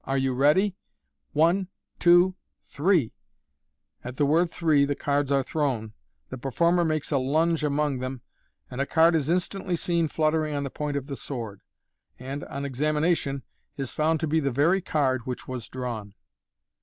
Are you ready ? One, two, thres !*' At the word three, the cards are thrown, the performer makes a lunge among them, and a card is instantly seen fluttering on the point of the sword, and, on examination, is found to be the very card which was drawn.